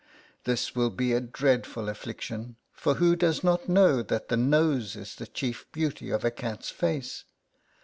This will be a dreadful affliction : for who does not know that the nose is the chief beauty of a cat's face